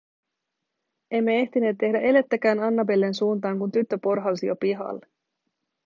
Emme ehtineet tehdä elettäkään Annabellen suuntaan, kun tyttö porhalsi jo pihalle.